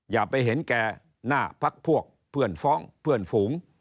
อย่าไปเห็นแก่หน้าพักพวกเพื่อนฟ้องเพื่อนฝูง